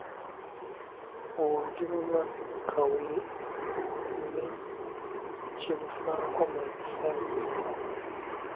Olugero lwa Kawere ne kye lufaako mu bufunze